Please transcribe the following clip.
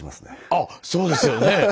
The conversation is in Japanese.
あっそうですよね。